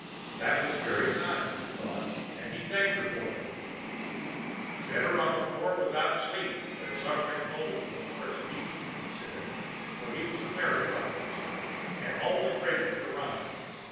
That was very kind, he thought, and he thanked her for it. "Better on the floor without sleep, than suffer cold in the forest deep," he said; for he was a merry fellow, this tramp, and was always ready with a rhyme.